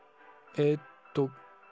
えっと。